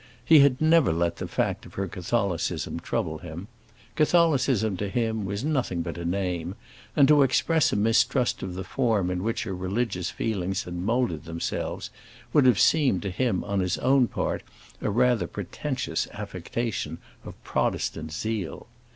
He had never let the fact of her Catholicism trouble him; Catholicism to him was nothing but a name, and to express a mistrust of the form in which her religious feelings had moulded themselves would have seemed to him on his own part a rather pretentious affectation of Protestant zeal.